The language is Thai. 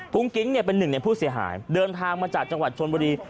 กิ๊งเป็นหนึ่งในผู้เสียหายเดินทางมาจากจังหวัดชนบุรี